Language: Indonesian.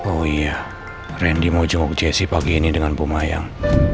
oh iya randy mau jenguk jessy pagi ini dengan pumayang